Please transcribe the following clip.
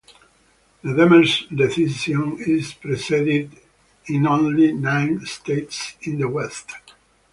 The "Demers" decision is precedent in only nine states in the West.